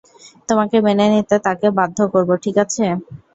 তোমাকে মেনে নিতে তাকে বাধ্য করবো, ঠিক আছে?